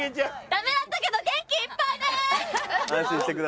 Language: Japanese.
ダメだったけど元気いっぱいです！